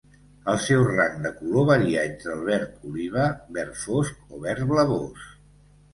El seu rang de color varia entre el verd oliva, verd fosc o verd blavós.